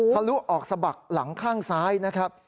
ลุออกสะบักหลังข้างซ้ายนะครับ